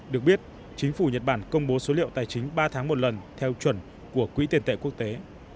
được biết chính phủ nhật bản công bố số liệu tài chính ba tháng một lần theo chuẩn của quỹ tiền tệ quốc tế